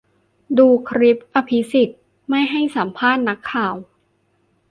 ดูคลิปอภิสิทธิ์ไม่ให้สัมภาษณ์นักข่าว